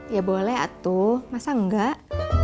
ya boleh atuh masa enggak